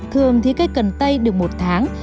thường thì cây cần tây được một tháng